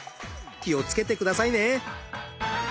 気をつけてくださいね。